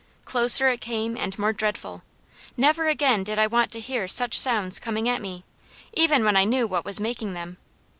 Closer it came and more dreadful. Never again did I want to hear such sounds coming at me; even when I knew what was making them.